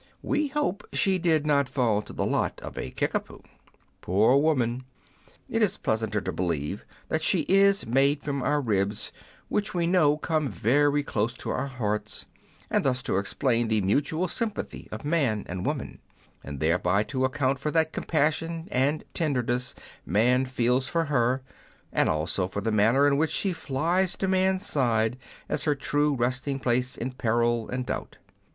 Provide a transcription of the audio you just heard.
We hope she did not fall to the lot of a Kickapoo. Poor woman ! it is pleasanter to believe that she is made from our ribs, which we know come very close to our hearts, and thus to explain the mutual sympathy of man and woman, and thereby to account for that compassion and tenderness man feels for her, and also for the manner in which she flies to man's side as her true resting place in peril and doubt.